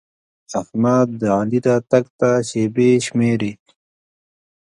احمد د علي راتګ ته شېبې شمېري.